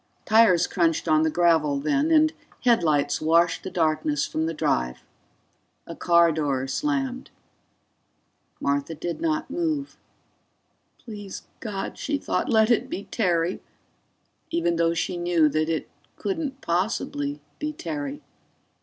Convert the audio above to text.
Tires crunched on the gravel then, and headlights washed the darkness from the drive. A car door slammed. Martha did not move. Please God, she thought, let it be Terry, even though she knew that it couldn't possibly be Terry.